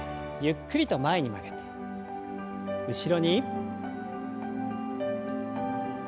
ゆっくりと前に曲げて後ろに。